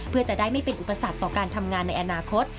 เพื่อจะได้ไม่เป็นอุปสรรคต่อการทำงานในอนาคต